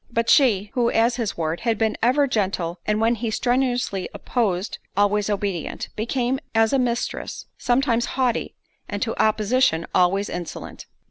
But she, who, as his ward, had been ever gentle, and (when he strenuously opposed) always obedient; became, as a mistress, sometimes haughty, and, to opposition, always insolent.